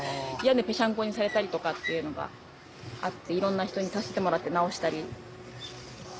屋根ぺしゃんこにされたりとかっていうのがあって色んな人に助けてもらって直したり。